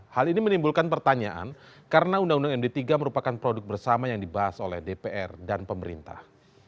hal ini menimbulkan pertanyaan karena undang undang md tiga merupakan produk bersama yang dibahas oleh dpr dan pemerintah